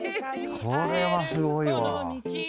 これはすごいわ。